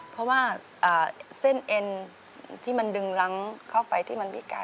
เพราะว่าเส้นเอ็นที่มันดึงรั้งเข้าไปที่มันพิกัด